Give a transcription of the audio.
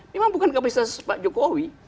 memang bukan kapasitas pak jokowi